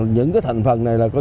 những thành phần này